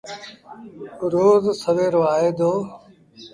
روز سويرو آئي دو۔